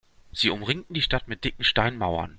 Sie umringten die Stadt mit dicken Steinmauern.